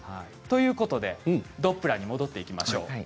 ということでドップラーに戻っていきましょう。